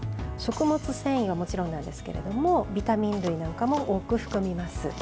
食物繊維はもちろんなんですけれどもビタミン類なんかも多く含みます。